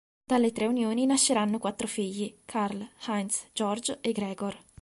Dalle tre unioni nasceranno quattro figli, Carl, Heinz, Georg e Gregor.